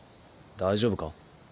大丈夫か？